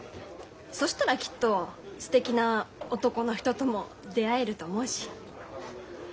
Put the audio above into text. そしたらきっとすてきな男の人とも出会えると思うし。